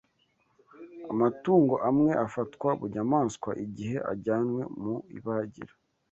Amatungo amwe afatwa bunyamaswa igihe ajyanywe mu ibagiro